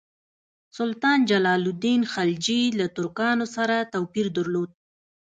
سلطان جلال الدین خلجي له ترکانو سره توپیر درلود.